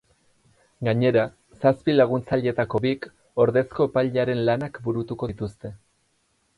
Gainera, zazpi laguntzaileetako bik ordezko epailearen lanak burutuko dituzte.